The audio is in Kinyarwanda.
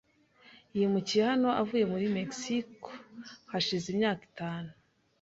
Yimukiye hano avuye muri Mexico hashize imyaka itanu.